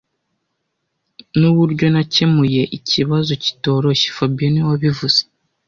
Nuburyo nakemuye ikibazo kitoroshye fabien niwe wabivuze